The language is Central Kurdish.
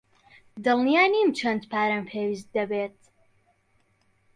دڵنیا نیم چەند پارەم پێویست دەبێت.